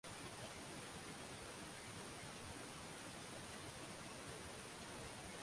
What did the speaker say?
Mshenga Kiherehere na hata Muhunga au Mghongo huitwa Wagoli ila wa Chifu na Naibu